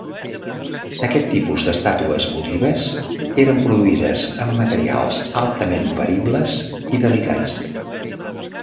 Aquest tipus d'estàtues votives eren produïdes amb materials altament peribles i delicats.